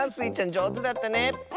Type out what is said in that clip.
じょうずだったね！